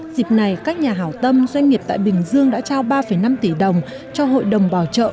dịp này các nhà hảo tâm doanh nghiệp tại bình dương đã trao ba năm tỷ đồng cho hội đồng bảo trợ